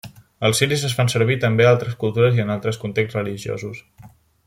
Els ciris es fan servir també a altres cultures i en altres contexts religiosos.